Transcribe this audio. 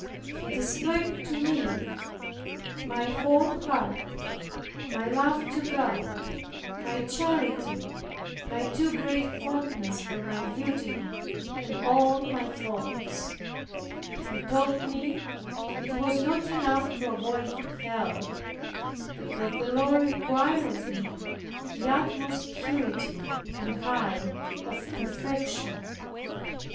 He displayed to me my whole heart, my love to God, my charity, my too great fondness for my beauty and all my faults; he told me it was not enough to avoid Hell, but that the Lord required of me the utmost purity and height of perfection.